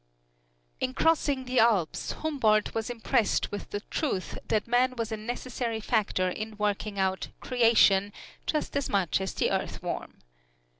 In crossing the Alps, Humboldt was impressed with the truth that man was a necessary factor in working out "creation," just as much as the earthworm.